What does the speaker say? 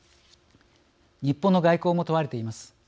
日本の外交も問われています。